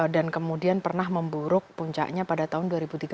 dan kemudian pernah memburuk puncaknya pada tahun dua ribu tiga belas